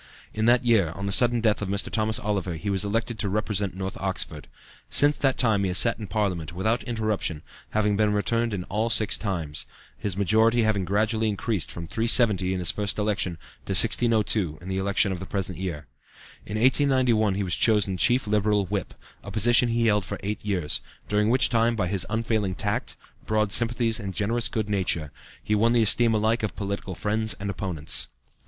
In that year, on the sudden death of Mr. Thomas Oliver, he was elected to represent North Oxford. Since that time he has sat in Parliament without interruption, having been returned in all six times, his majority having gradually increased from 370 in his first election to 1602 in the election of the present year. In 1891 he was chosen chief Liberal Whip, a position he held for eight years, during which time by his unfailing tact, broad sympathies and generous good nature, he won the esteem alike of political friends and opponents.